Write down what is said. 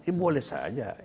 ini boleh saja